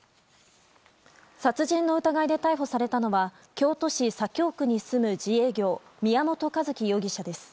殺人の疑いで逮捕されたのは京都市左京区に住む自営業宮本一希容疑者です。